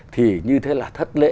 thì như thế là thất lễ